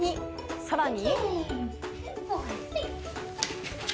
さらに。